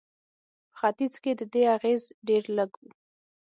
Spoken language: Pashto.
په ختیځ کې د دې اغېز ډېر لږ و.